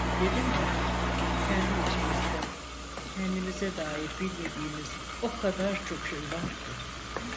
Dedim ya, kendi içimizde, kendimize dair bilmediğimiz o kadar çok şey var ki…